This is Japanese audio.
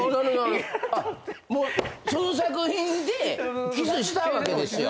その作品でキスしたわけですよ。